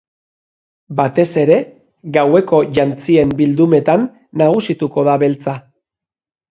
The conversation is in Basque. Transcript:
Batez ere, gaueko jantzien bildumetan nagusituko da beltza.